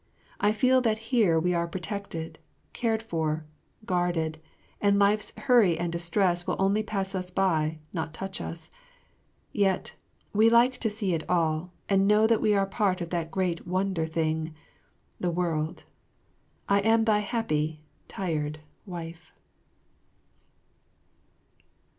I feel that here we are protected, cared for, guarded, and life's hurry and distress will only pass us by, not touch us. Yet we like to see it all, and know that we are part of that great wonder thing, the world. I am thy happy, tired, Wife.